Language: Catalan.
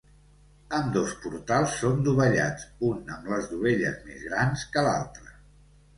Ambdós portals són dovellats, un amb les dovelles més grans que l'altre.